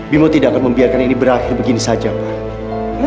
bimo tidak akan membiarkan ini berakhir begini saja pak